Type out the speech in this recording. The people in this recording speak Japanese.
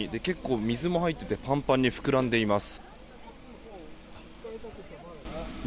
水も入っていてパンパンに膨らんでいます。